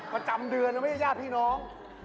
ประจำเดือนแล้วไม่ใช่ย่าพี่น้อง